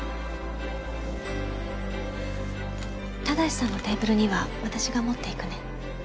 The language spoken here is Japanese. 正さんのテーブルには私が持っていくね。